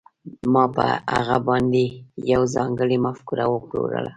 ما په هغه باندې یوه ځانګړې مفکوره وپلورله